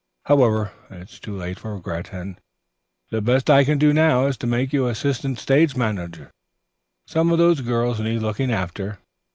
"However it's too late for regret, and the best I can do now is to make you assistant stage manager. Some of those girls need looking after.